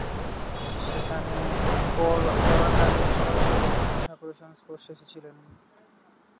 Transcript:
সেখানে পড়াকালীন সরাসরি রবীন্দ্রনাথ ঠাকুরের সংস্পর্শে এসেছিলেন।